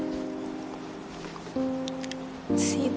kamu nangis kenapa